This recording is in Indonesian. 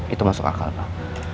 itu masuk akal pak